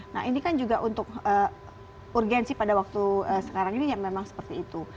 nah ini kan juga untuk urgensi pada waktu sekarang ini yang memang seperti itu